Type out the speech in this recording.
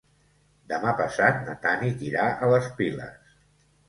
Demà passat na Tanit irà a les Piles.